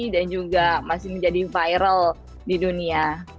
dan juga masih menjadi viral di dunia